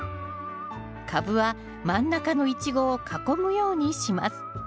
カブは真ん中のイチゴを囲むようにします。